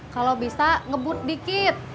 kalau bisa ngebut dikit